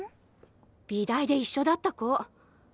美大で一緒だった子。